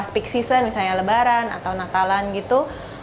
kalau misalnya season misalnya lebaran atau natalan gitu